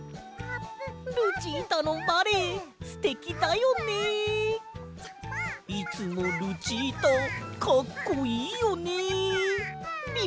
「ルチータのバレエすてきだよね！」「いつもルチータかっこいいよね！」。